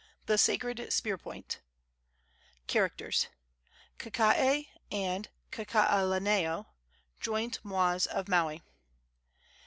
THE SACRED SPEAR POINT. CHARACTERS. Kakae and Kakaalaneo, joint mois of Maui.